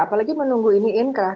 apalagi menunggu ini inkrah